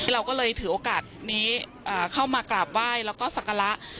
เราก็เลยถือโอกาสนี้เข้ามากราบไหว้แล้วก็ศักระ